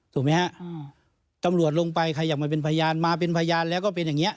ถูกไหมฮะตำรวจลงไปใครอยากมาเป็นพยานมาเป็นพยานแล้วก็เป็นอย่างนี้